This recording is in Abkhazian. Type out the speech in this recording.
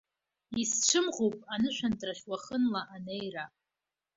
Исцәымӷуп анышәынҭрахь уахынла анеира.